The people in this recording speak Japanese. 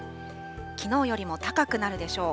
きのうよりも高くなるでしょう。